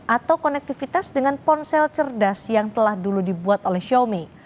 atau konektivitas dengan ponsel cerdas yang telah dulu dibuat oleh xiaomi